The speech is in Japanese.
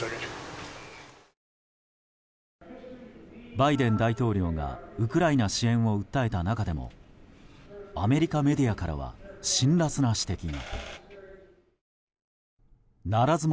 バイデン大統領がウクライナ支援を訴えた中でもアメリカメディアからは辛辣な指摘が。